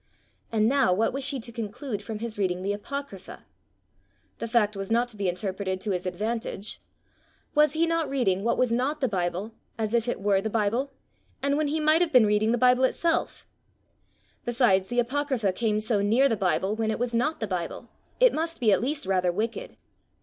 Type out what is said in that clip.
And now what was she to conclude from his reading the Apocrypha? The fact was not to be interpreted to his advantage: was he not reading what was not the Bible as if it were the Bible, and when he might have been reading the Bible itself? Besides, the Apocrypha came so near the Bible when it was not the Bible! it must be at least rather wicked!